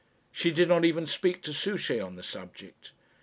She did not even speak to Souchey on the subject.